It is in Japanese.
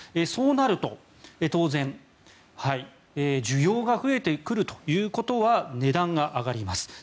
そうなると、当然需要が増えてくるということは値段が上がります。